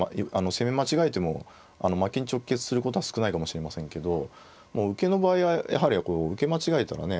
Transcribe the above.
攻め間違えても負けに直結することは少ないかもしれませんけど受けの場合はやはり受け間違えたらね